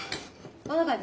どんな感じ？